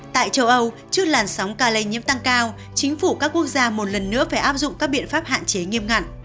tại châu âu trước làn sóng ca lây nhiễm tăng cao chính phủ các quốc gia một lần nữa phải áp dụng các biện pháp hạn chế nghiêm ngặt